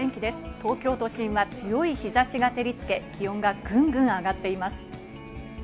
東京都心は強い日差しが照りつけ、気温がぐんぐん上がっています。